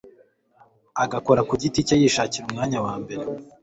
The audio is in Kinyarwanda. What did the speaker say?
agakora ku giti cye yishakira umwanya wa mbere,